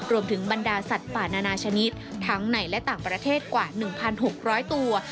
บรรดาสัตว์ป่านานาชนิดทั้งในและต่างประเทศกว่า๑๖๐๐ตัว